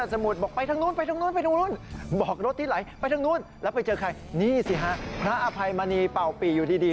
กลับมาเต็มเต็มช่องเวลาที่หายไป